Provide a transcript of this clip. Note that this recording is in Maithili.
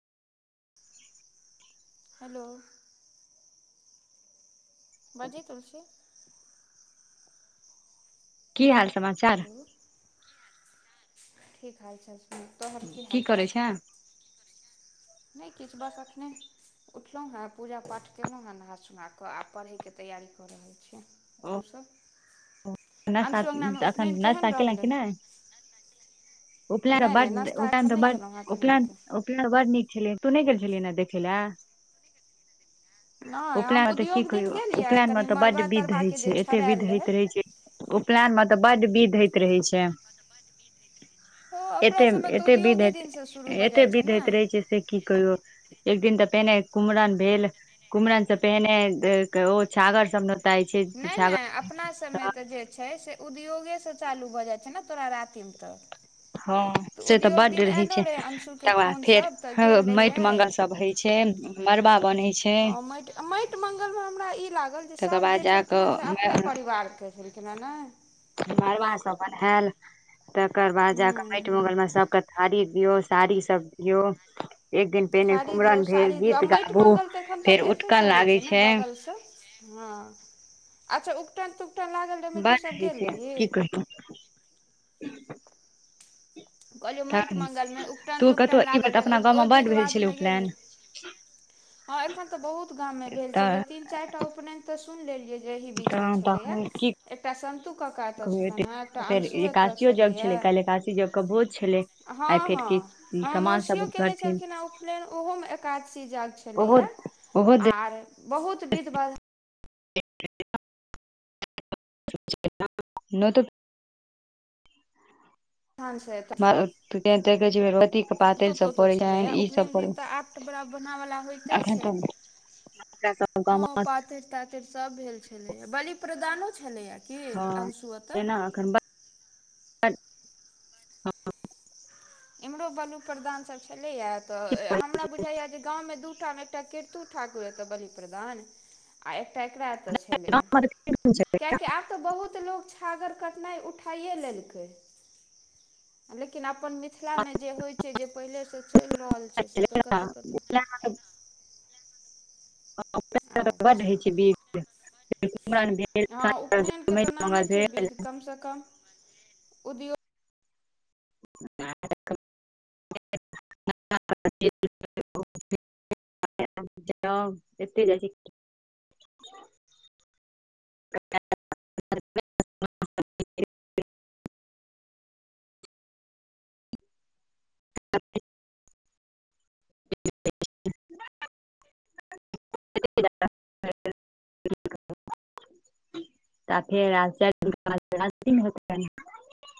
हेलो बाजहि तुलसी की हाल समाचार हेलो की हाल छै तोहर की करै हालचाल छै नहि किछु बस एखने उठलहुँ हैं पूजा पाठ केलहुँ हैं नहा सुना कऽ आ पढ़यके तैयारी कऽ रहल छी तु सब नाश्ता तऽ अखन केहन नाश्ता केलैं रहलै कि नहि उपला र नहि ब नहि नाश्ता एखन उपला नहि बाद केलहुँ हेँ कनि उपला रुकू [unintelligible] बड्ड नीक छलै तू नहि गेल छलहिने देखैले [inaudible] नहि हम उपनयन मे तऽ की उद्योग दिन कहियौ गेलियै उपनयन मे कनि तऽ बड मड़बा विध होइ तड़बाके छै जे एते विध छड़ायल होइत रहै छै उपनयन मे तऽ बड्ड विध होइत रहै छै ओ अपना एते म सबमे तऽ एते विध उद्योगे होयत दिनसँ शुरू भऽ एते जाइ छै विध ने होइत रहै छै से की कहियौ एक दिन तऽ पहिने कुमरन भेल कुमरन से पहिने ओ छागर सब नोताइ छै नहि नहि छागर अपना सभमे तऽ जे छै से उद्योगेसँ चालू भऽ जाई छै ने तोरा रातिम तक हँ से तऽ बड्ड रहे छै रहै अंशुके तकर बाद फेर फोनसभ तऽ हँ गेल माटि रहियै मंगल सब होय छै न मरबा बन्है हँ माटि माटि मंगल मे हमरा ई लागल जे तकर सभ बाद जे छलखिन जाकऽ हैं से अपने परिवारके छलखिन हैं नहि मड़बा सब बन्हैल तकर बाद जाकऽ हूँ माटि हूँ मंगल मे सबके थारी दियौ साड़ी सब दियौ एक दिन पहिने थारी दियौ कुमरन भेल साड़ी दियौ आ गीत माटि गाबू फेर उटकन लागे छै तू सब हँ अच्छा उकटन तुकटन लागल रहै ओहिमे तू बड सब होइ गेल छै रही की कहियौ कहलियौ माटि तऽ मंगलमे उपटन तू कतहु तुपटन ई बेर लागल तऽ रहै अपना ओहि गाँवमे ओहि बड्ड विध भेल छलै वाधमे गेल उपनयन रही हँ एखन तऽ बहुत गाम मे भेल छलै तीन चारि टा उपनयन त सुन लेलियै जे एहि बीच मे तऽ छलैया की एकटा सन्तु कक्का एतऽ छलनि हैं फेर एकादशीयो जग छलैया काल्हि एकादशी जगके भोज छलै आइ हँ फेर की हँ हमर सामान सब मौसियो केने उठलथिन छलखिन ह उपलेन ओहो मे एकादशी जाग छल ओहो छलैय ओहो आर बहुत विद्ध बाध [inaudible] हन छै देखे छैथ के पातरि सब पड़ै छै ई सब पड़ टुकड़ा बनावला होइते छै बच्चा सब हँ गाम पातरि तातरि फेर सब भेल छलैया बलि प्रदानो छलैया हँ एना अखन इम्हरो बली प्रदानसभ छलैया तऽ हमरा बुझाइया जे गामवमे दू टामे ए बलिप्रदान आ एकटा एकरा एतऽ छलैय कियाकि आब तऽ बहुत लोक छागर कटनाइ उठाइए लेलकै लेकिन अपन मिथिलामे जे होइत छै जे पहिलेसँ चलि रहल से तऽ कतऽ कतऽ अच्छा [inaudible] कुमरन भेल ह उपनेन तऽ जमाइन ना मंगल छै भेल विध कम क [inaudible] [inaudible] [inaudible] [inaudible] [inaudible] [inaudible] [inaudible] [inaudible]